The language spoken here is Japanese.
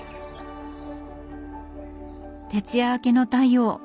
徹夜明けの太陽。